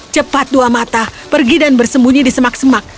cepat dua mata pergi dan bersembunyi di semak semak